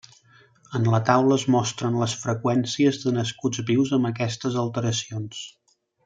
En la taula es mostren les freqüències de nascuts vius amb aquestes alteracions.